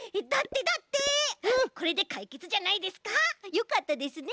よかったですね